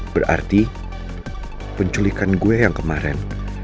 berarti penculikan gue yang kemarin